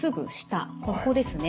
ここですね。